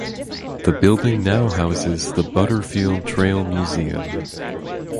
The building now houses the Butterfield Trail Museum.